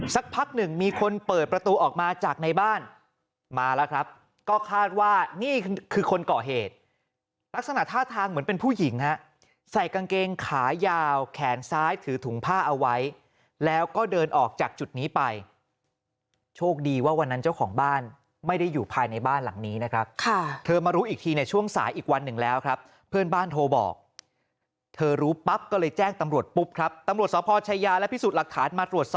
สักพักหนึ่งมีคนเปิดประตูออกมาจากในบ้านมาแล้วครับก็คาดว่านี่คือคนเกาะเหตุลักษณะท่าทางเหมือนเป็นผู้หญิงฮะใส่กางเกงขายาวแขนซ้ายถือถุงผ้าเอาไว้แล้วก็เดินออกจากจุดนี้ไปโชคดีว่าวันนั้นเจ้าของบ้านไม่ได้อยู่ภายในบ้านหลังนี้นะครับค่ะเธอมารู้อีกทีในช่วงสายอีกวันหนึ่งแล้วครับเพื่อน